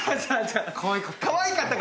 かわいかったから。